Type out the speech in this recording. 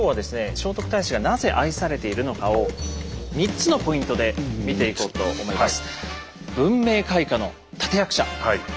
聖徳太子がなぜ愛されているのかを３つのポイントで見ていこうと思います。